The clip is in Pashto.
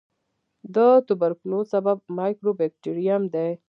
د توبرکلوس سبب مایکوبیکټریم دی.